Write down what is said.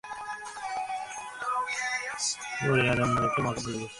তিনি কোরানিক ঘটনার অমিত্রাক্ষর ছন্দে ‘বনি আদম’ নামে একটি মহাকাব্য লিখেছিলেন।